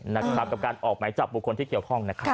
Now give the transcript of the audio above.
นะครับกับการออกหมายจับบุคคลที่เกี่ยวข้องนะครับ